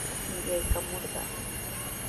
Limayaqmi traykamurqaa.